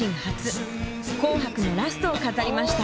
「紅白」のラストを飾りました。